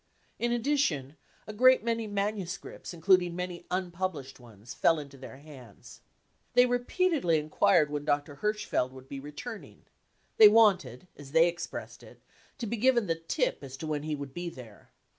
In addition, a great many manuscripts, including many unpublished ones, fell into their hands. " They repeatedly enquired when Dr. Hirschfeld would be returning ; they wanted, as they expressed it, to be given the tip as to when he would be there.